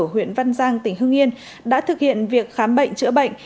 huyện văn giang tỉnh hương yên đã thực hiện việc khám bệnh chữa bệnh